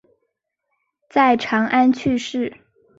在长安去世。